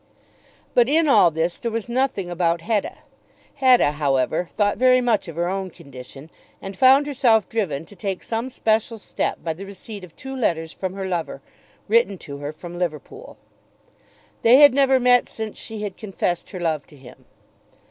But in all this there was nothing about Hetta. Hetta, however, thought very much of her own condition, and found herself driven to take some special step by the receipt of two letters from her lover, written to her from Liverpool. They had never met since she had confessed her love to him.